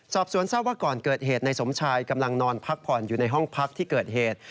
สอบสวนทราบว่าก่อนเกิดเหตุนายสมชายกำลังนอนพักผ่อนอยู่ในห้องพักที่เกิดเหตุ